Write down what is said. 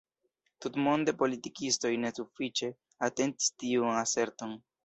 Tutmonde politikistoj ne sufiĉe atentis tiun aserton.